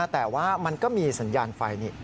แต่ว่ามันก็มีสัญญาณไฟนี่